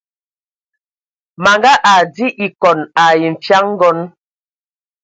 Manga adi ekɔn ai nfian ngɔn.